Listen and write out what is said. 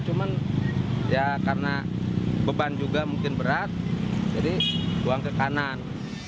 cuman ya karena beban juga mungkin berat jadi buang ke kanan